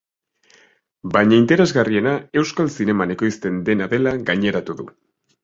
Baina interesgarriena euskal zineman ekoizten dena dela gaineratu du.